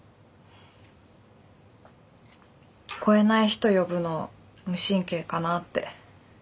聞こえない人呼ぶの無神経かなって。